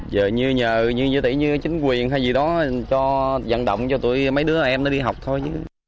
giờ như nhà như chính quyền hay gì đó cho dân động cho mấy đứa em nó đi học thôi chứ